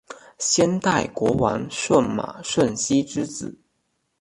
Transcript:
先代国王舜马顺熙之子。